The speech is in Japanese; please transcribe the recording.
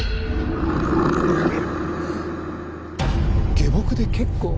下僕で結構。